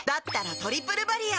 「トリプルバリア」